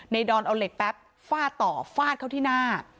ดอนเอาเหล็กแป๊บฟาดต่อฟาดเข้าที่หน้า